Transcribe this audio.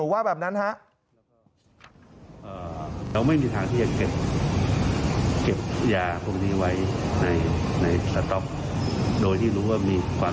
การบริหารจัดการ